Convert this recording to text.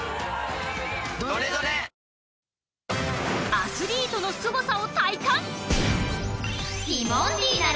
アスリートのすごさを体感！